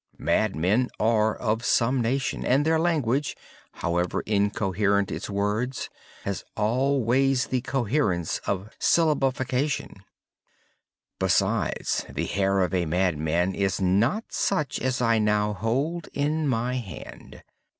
Madmen are of some nation, and their language, however incoherent in its words, has always the coherence of syllabification. Besides, the hair of a madman is not such as I now hold in my hand.